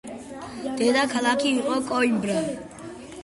დედაქალაქი იყო კოიმბრა.